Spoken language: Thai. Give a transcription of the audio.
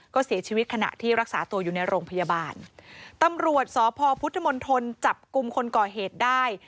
ก็เสียชีวิตขณะที่รักษาตัวอยู่ในโรงพยาบาลตำรวจสพพุทธมนตรจับกลุ่มคนก่อเหตุได้